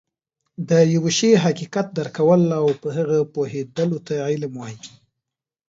د يوه شي حقيقت درک کول او په هغه پوهيدلو ته علم وایي